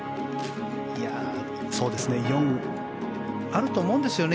４、あると思うんですよね。